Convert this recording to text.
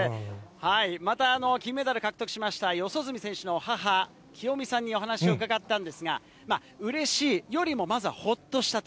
また金メダル獲得しました、四十住選手の母、清美さんにお話を伺ったんですが、うれしいよりも、まずはほっとしたと。